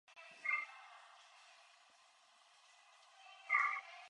Zinoviev's fight with Shamrock forced him to retire permanently from mixed martial arts.